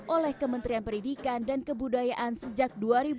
oleh kementerian peridikan dan kebudayaan sejak dua ribu delapan belas